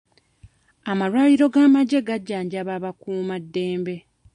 Amalwaliro g'amagye gajjanjaba bakuuma ddembe.